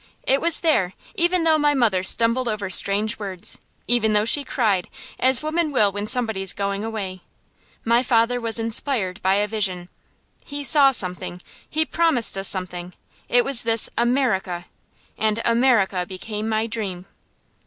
It was there, even though my mother stumbled over strange words, even though she cried, as women will when somebody is going away. My father was inspired by a vision. He saw something he promised us something. It was this "America." And "America" became my dream.